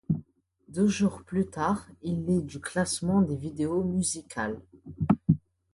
Deux jours plus tard, il est du classement des vidéos musicales.